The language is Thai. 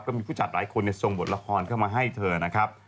ผู้จัดหลายคนส่งบทละครเข้ามาให้เธอนะครับ